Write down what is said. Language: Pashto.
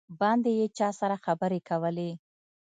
باندې یې چا سره خبرې کولې.